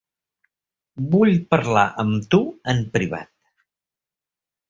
Vull parlar amb tu en privat.